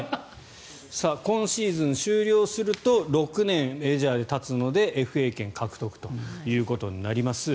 今シーズン終了すると６年、メジャーでたつのでＦＡ権獲得ということになります。